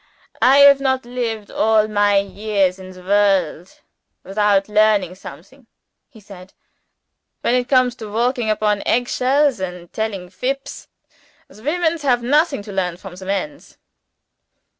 "I have not lived all my years in the world, without learning something," he said. "When it comes to walking upon eggshells and telling fips, the womens have nothing to learn from the mens.